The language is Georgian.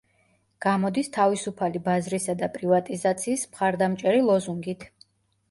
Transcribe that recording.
გამოდის თავისუფალი ბაზრისა და პრივატიზაციის მხარდამჭერი ლოზუნგით.